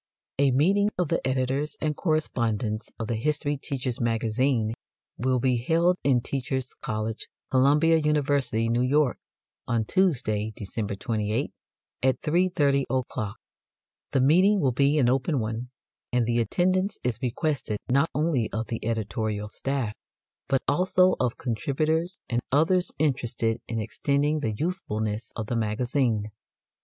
A meeting of the editors and correspondents of THE HISTORY TEACHER'S MAGAZINE will be held in Teachers' College, Columbia University, New York, on Tuesday, December 28, at 3.30 o'clock. The meeting will be an open one, and the attendance is requested not only of the editorial staff, but also of contributors and others interested in extending the usefulness of the Magazine.